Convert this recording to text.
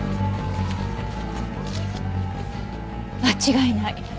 間違いない。